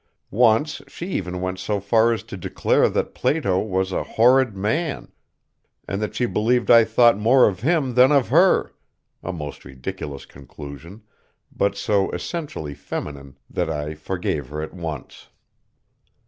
Once she even went so far as to declare that Plato was a "horrid man," and that she believed I thought more of him than of her a most ridiculous conclusion but so essentially feminine that I forgave her at once.